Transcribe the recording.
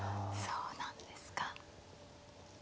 そうなんですか。